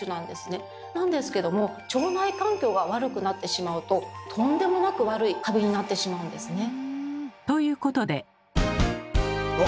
なんですけども腸内環境が悪くなってしまうととんでもなく悪いカビになってしまうんですね。ということで。